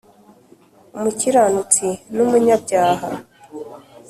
Umukiranutsi numunyabyaha